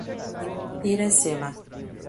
Iracema